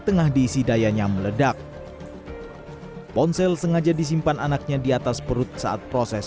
tengah diisi dayanya meledak ponsel sengaja disimpan anaknya di atas perut saat proses